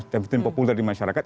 sentimen populer di masyarakat